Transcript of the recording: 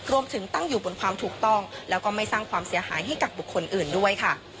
รวมถึงตั้งอยู่บนความถูกต้องแล้วก็ไม่สร้างความเสียหายให้กับบุคคลอื่นด้วยค่ะ